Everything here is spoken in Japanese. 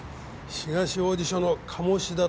東王子署の鴨志田と申します。